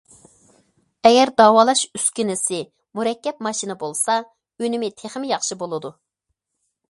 ئەگەر داۋالاش ئۈسكۈنىسى مۇرەككەپ ماشىنا بولسا، ئۈنۈمى تېخىمۇ ياخشى بولىدۇ.